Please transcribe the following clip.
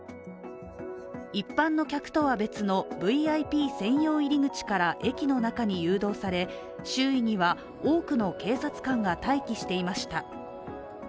一般の客とは別のＶＩＰ専用入り口から駅の中に誘導され周囲には多くの警察官が待機していました。